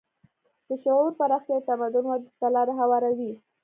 د شعور پراختیا د تمدن ودې ته لاره هواروي.